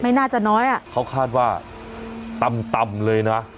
น่าจะน้อยอ่ะเขาคาดว่าต่ำต่ำเลยนะ